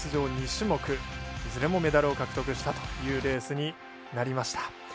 ２種目いずれもメダルを獲得したというレースになりました。